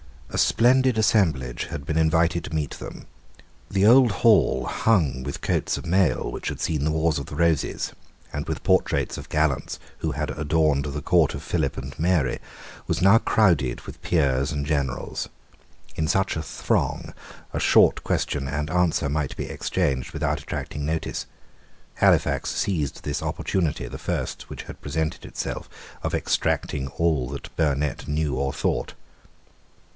A splendid assemblage had been invited to meat them. The old hall, hung with coats of mail which had seen the wars of the Roses, and with portraits of gallants who had adorned the court of Philip and Nary, was now crowded with Peers and Generals. In such a throng a short question and answer might be exchanged without attracting notice. Halifax seized this opportunity, the first which had presented itself, of extracting all that Burnet knew or thought.